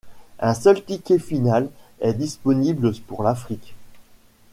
Un seul ticket final est disponible pour l'Afrique.